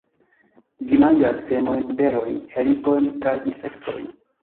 Ĝi manĝas semojn, berojn, helikojn kaj insektojn.